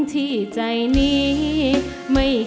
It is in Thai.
เพลงแรกของเจ้าเอ๋ง